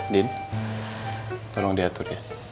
din tolong diatur ya